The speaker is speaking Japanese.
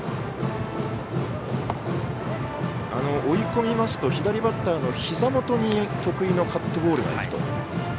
追い込みますと左バッターのひざ元に得意のカットボールが行くと。